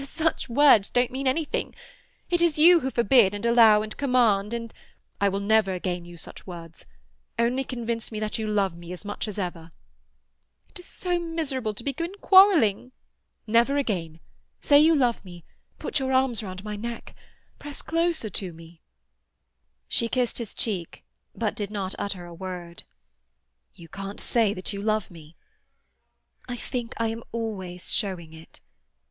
"Such words don't mean anything. It is you who forbid and allow and command, and—" "I will never again use such words. Only convince me that you love me as much as ever." "It is so miserable to begin quarrelling—" "Never again! Say you love me! Put your arms round my neck—press closer to me—" She kissed his cheek, but did not utter a word. "You can't say that you love me?" "I think I am always showing it.